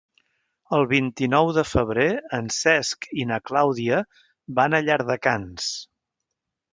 El vint-i-nou de febrer en Cesc i na Clàudia van a Llardecans.